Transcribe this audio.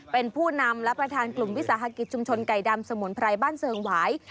เป็นผู้นำและประธานกลุ่มวิสาหกิจชุมชนไก่ดำสมุนไพรบ้านเซิงหวาย